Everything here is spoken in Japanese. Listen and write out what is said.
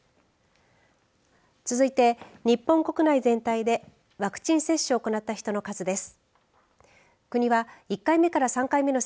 続いて日本国内全体でワクチン接種を行った人の数です。